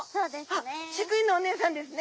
あっ飼育員のおねえさんですね！